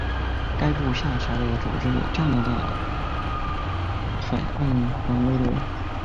该部下辖的组织有加拿大海岸防卫队。